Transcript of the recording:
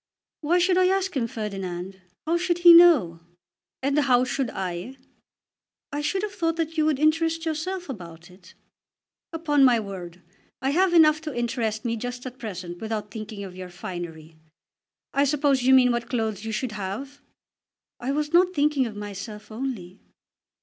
"Why should I ask him, Ferdinand? How should he know?" "And how should I?" "I should have thought that you would interest yourself about it." "Upon my word I have enough to interest me just at present, without thinking of your finery. I suppose you mean what clothes you should have?" "I was not thinking of myself only."